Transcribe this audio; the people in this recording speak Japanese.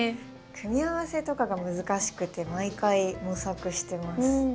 組み合わせとかが難しくて毎回模索してます。